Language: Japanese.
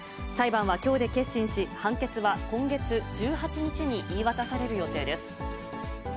裁判はきょうで結審し、判決は今月１８日に言い渡される予定です。